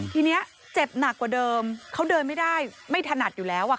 ทีนี้เจ็บหนักกว่าเดิมเขาเดินไม่ได้ไม่ถนัดอยู่แล้ว